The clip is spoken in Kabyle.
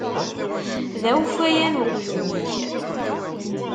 D awfayan uqjun-ik.